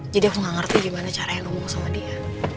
jadi aku gak ngerti gimana caranya ngomong sama dia